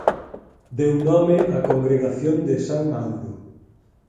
Deu nome á congregación de San Mauro.